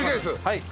はい。